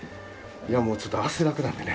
いやもうちょっと汗だくなんでね。